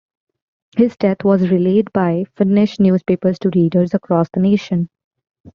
His death was relayed by Finnish newspapers to readers across the nation.